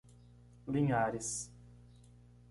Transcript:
Linhares